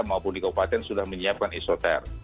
maupun di kabupaten sudah menyiapkan isoter